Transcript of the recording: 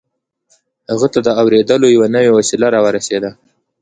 هغه ته د اورېدلو يوه نوې وسيله را ورسېده.